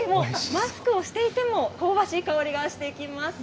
マスクをしていても香ばしい香りがしてきます。